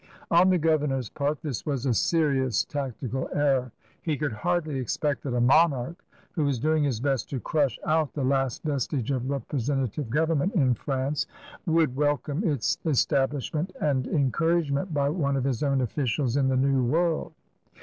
On the governor's part this was a serious tactical error. He could hardly expect that a monarch who was doing his best to crush out the last vestige of representative government in France would es. 200 74 CRUSADERS OF NEW FRANCE welcome its establishment and encom'agement by one of his own offidab in the New World.